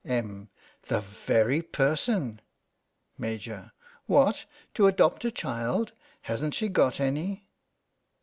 Em, : The very person ! Maj\: What, to adopt a child? Hasn't she got any?